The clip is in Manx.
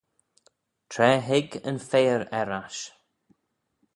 Tra hig yn faiyr er-ash.